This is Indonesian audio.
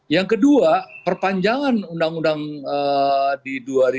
yang kedua perpanjangan undang undang di dua ribu dua puluh